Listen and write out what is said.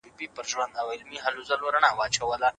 که هغه رانه سي، په ګڼ ځای کي به د ږغ سره ډوډۍ راوړي.